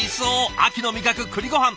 秋の味覚くりごはん。